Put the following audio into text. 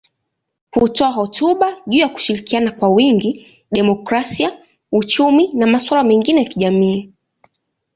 Hutoa hotuba juu ya kushirikiana kwa wingi, demokrasia, uchumi na masuala mengine ya kijamii.